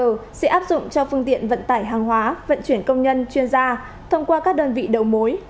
có mã qr sẽ áp dụng cho phương tiện vận tải hàng hóa vận chuyển công nhân chuyên gia thông qua các đơn vị đầu mối